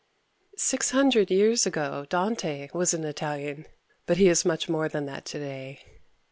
Six hundred years ago Dante was an Italian, but he is much more than that today.